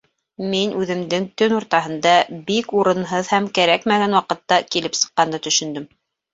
Мин үҙемдең төн уртаһында бик урынһыҙ һәм кәрәкмәгән ваҡытта килеп сыҡҡанды төшөндөм.